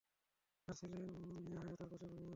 তার ছেলে ইয়াহইয়া তার পাশে ঘুমিয়ে আছেন।